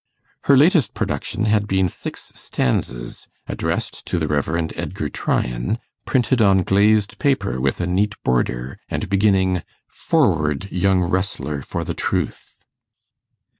Her latest production had been Six Stanzas, addressed to the Rev. Edgar Tryan, printed on glazed paper with a neat border, and beginning, 'Forward, young wrestler for the truth!